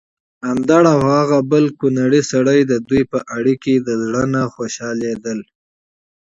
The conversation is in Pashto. اندړ او هغه بل کونړی سړی ددوی په اړېکه د زړه نه خوشحاليدل